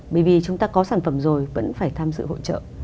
bởi vì chúng ta có sản phẩm rồi vẫn phải tham dự hội trợ